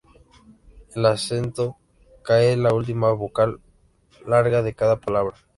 El acento cae en la última vocal larga de cada palabra.